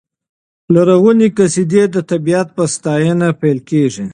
لرغونې قصیدې د طبیعت په ستاینه پیل کېږي.